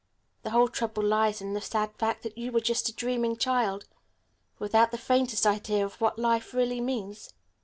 The whole trouble lies in the sad fact that you are just a dreaming child, without the faintest idea of what life really means."